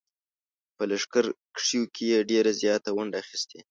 په لښکرکښیو کې یې ډېره زیاته ونډه اخیستې.